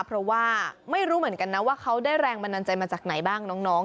เพราะว่าไม่รู้เหมือนกันนะว่าเขาได้แรงบันดาลใจมาจากไหนบ้างน้อง